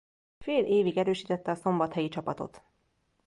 Fél évig erősítette a szombathelyi csapatot.